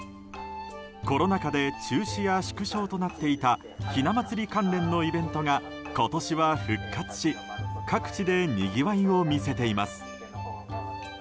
コロナ禍で中止や縮小となっていたひな祭り関連のイベントが今年は復活し各地でにぎわいを見せています。